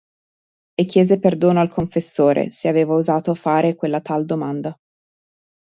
E chiese perdono al confessore se aveva osato fare quella tal domanda.